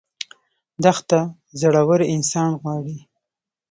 دښته زړور انسان غواړي.